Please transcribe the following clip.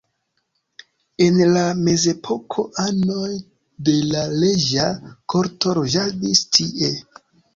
En la mezepoko anoj de la reĝa korto loĝadis tie.